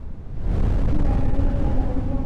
ترڅو کمپیوټر د خطر زنګونه ونه وهي